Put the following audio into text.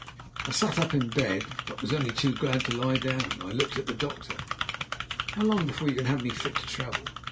I sat up in bed, but was only too glad to lie down. I looked at the doctor. "How long before you can have me fit to travel?"